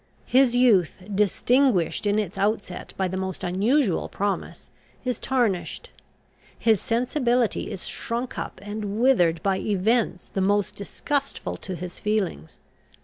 His youth, distinguished in its outset by the most unusual promise, is tarnished. His sensibility is shrunk up and withered by events the most disgustful to his feelings.